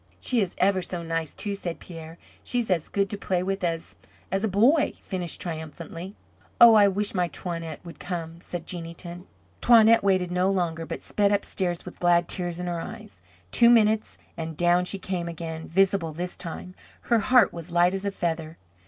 "She is ever so nice, too," said Pierre. "She's as good to play with as as a boy," finished triumphantly. "Oh, I wish my Toinette would come," said Jeanneton. Toinette waited no longer, but sped upstairs with glad tears in her eyes. Two minutes, and down she came again visible this time. Her heart was light as a feather.